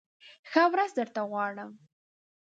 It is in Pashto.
ښه ورځ درته غواړم !